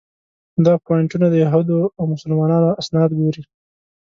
دا پواینټونه د یهودو او مسلمانانو اسناد ګوري.